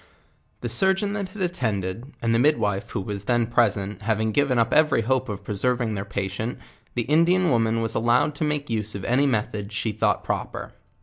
The surgeon tint had attended, and the midwife who was then present, having given up every hope of preserving 1 iheir patient, the Indian woman was allowed to make use of any methods she thought proper.